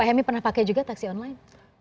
pak hemi pernah pakai juga taksi online